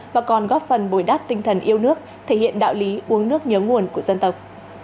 mà còn góp phần bồi đắp tinh thần yêu nước thể hiện đạo lý uống nước nhớ nguồn của dân tộc